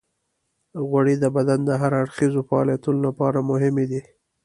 غوړې د بدن د هر اړخیزو فعالیتونو لپاره مهمې دي.